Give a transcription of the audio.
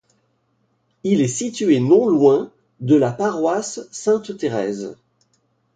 Il est situé non loin de la paroisse Sainte Thérèse.